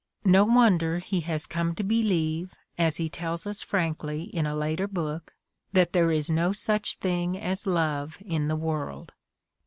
No wonder he has come to believe, as he tells us frankly in a later book, that there is no such thing as love in the world